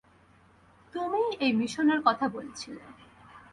তুমিই এই মিশনের কথা বলেছিলে।